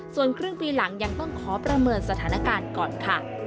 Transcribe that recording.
ส่วนครึ่งปีหลังยังต้องขอประเมินสถานการณ์ก่อนค่ะ